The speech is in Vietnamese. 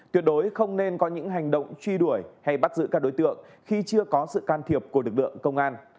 tuyệt đối không nên có những hành động truy đuổi hay bắt giữ các đối tượng khi chưa có sự can thiệp của lực lượng công an